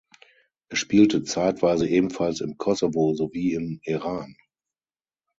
Er spielte zeitweise ebenfalls im Kosovo sowie im Iran.